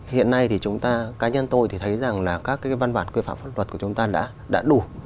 hiện nay thì chúng ta cá nhân tôi thì thấy rằng là các cái văn bản quy phạm pháp luật của chúng ta đã đủ